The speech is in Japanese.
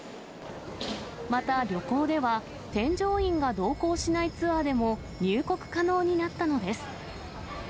また、旅行では添乗員が同行しないツアーでも入国可能になったのです。